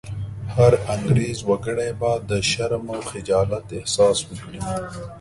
هر انګرېز وګړی به د شرم او خجالت احساس وکړي.